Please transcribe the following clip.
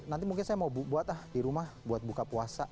nanti mungkin saya mau buat di rumah buat buka puasa